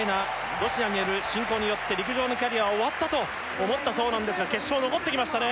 ロシアによる侵攻によって陸上のキャリアは終わったと思ったそうなんですが決勝残ってきましたね